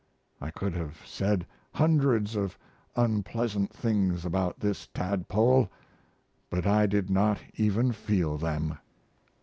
I could have said hundreds of unpleasant things about this tadpole, but I did not even feel them.